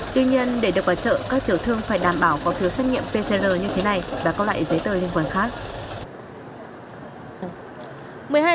tuy nhiên để được vào chợ các tiểu thương phải đảm bảo có thứ xét nghiệm pcr như thế này và có lại giấy tờ liên quan khác